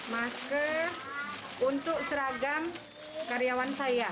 masker untuk seragam karyawan saya